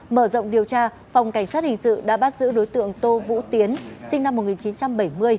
mở rộng điều tra phòng cảnh sát hình sự đã bắt giữ đối tượng tô vũ tiến sinh năm một nghìn chín trăm bảy mươi